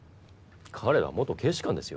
彼は元警視監ですよ？